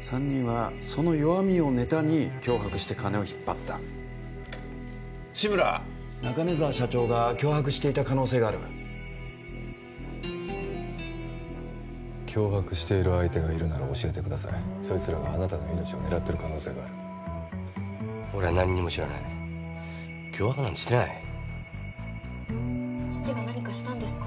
三人はその弱みをネタに脅迫して金を引っ張った志村中根沢社長が脅迫していた可能性がある脅迫している相手がいるなら教えてくださいそいつらがあなたの命を狙ってる可能性がある俺は何も知らない脅迫なんてしてない父が何かしたんですか？